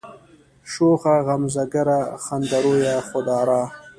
شوخه غمزه گره، خنده رویه، خود آرا